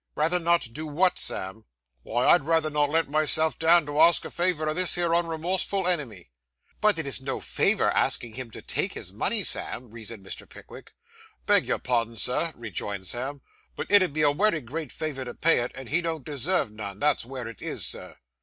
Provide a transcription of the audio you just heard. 'Rather not do what, Sam?' 'Wy, I'd rayther not let myself down to ask a favour o' this here unremorseful enemy.' 'But it is no favour asking him to take his money, Sam,' reasoned Mr. Pickwick. 'Beg your pardon, sir,' rejoined Sam, 'but it 'ud be a wery great favour to pay it, and he don't deserve none; that's where it is, sir.